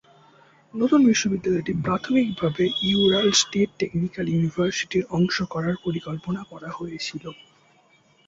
নতুন বিশ্ববিদ্যালয়টি প্রাথমিকভাবে ইউরাল স্টেট টেকনিক্যাল ইউনিভার্সিটির অংশ করার পরিকল্পনা করা হয়েছিল।